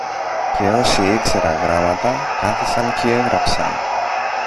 Και όσοι ήξεραν γράμματα κάθισαν κι έγραψαν.